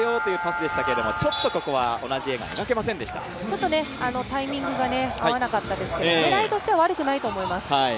ちょっとタイミングが合わなかったですけど、狙いとしては悪くないと思います。